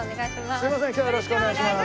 すみません今日はよろしくお願いします。